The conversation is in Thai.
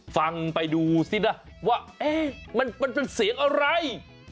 ฟังไปดูซินะว่ามันเป็นเสียงอะไร